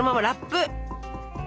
ラップ。